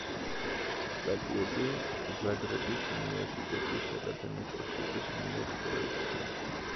სტატიები ზაგრების უნივერსიტეტის აკადემიკოსების მიერ იწერებოდა.